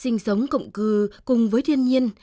sinh sống cổng cư cùng với thiên nhiên